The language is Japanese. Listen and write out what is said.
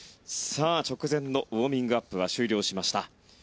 直前のウォーミングアップは終了しました。